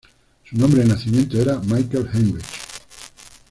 Su nombre de nacimiento era Michael Heinrich.